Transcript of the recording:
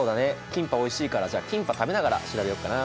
キンパおいしいからじゃあキンパ食べながら調べようかな。